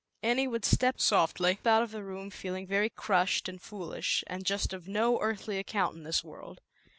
Annie would step so 1 room, feeling very crushed and foolish, and just of no earthly account in this world.